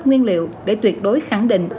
nguyên liệu để tuyệt đối khẳng định